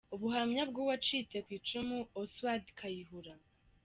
Ubuhamya bw’uwacitse ku icumu Osward Kayihura